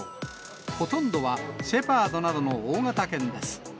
ほとんどはシェパードなどの大型犬です。